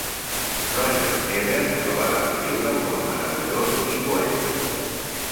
Roger Ebert el va descriure com a "meravellós" i "poètic".